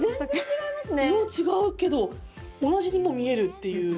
色違うけど同じにも見えるっていう。